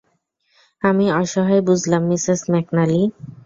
আমি অসহায় বুঝলাম মিসেস ম্যাকনালি।